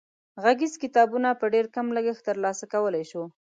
غږیز کتابونه په ډېر کم لګښت تر لاسه کولای شو.